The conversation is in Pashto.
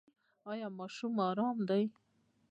ایا ماشوم مو ارام دی؟